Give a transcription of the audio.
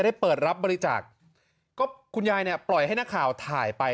เปิดรับบริจาคก็คุณยายเนี่ยปล่อยให้นักข่าวถ่ายไป